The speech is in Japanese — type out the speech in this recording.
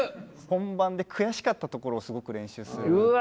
本番で悔しかったところをすごく練習するということが。